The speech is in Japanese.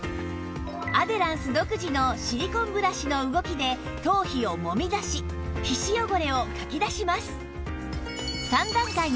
アデランス独自のシリコンブラシの動きで頭皮をもみ出し皮脂汚れをかき出します